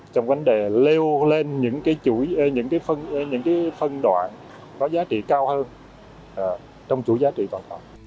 trong quanh đề leo lên những cái phân đoạn có giá trị cao hơn trong chủ giá trị toàn toàn